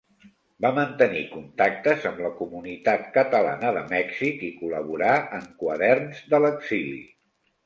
Va mantenir contactes amb la Comunitat Catalana de Mèxic i col·laborà en Quaderns de l'Exili.